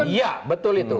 iya betul itu